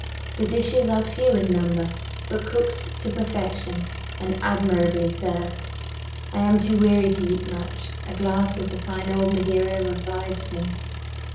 The dishes are few in number, but cooked to perfection and admirably served. I am too weary to eat much: a glass of the fine old Madeira revives me.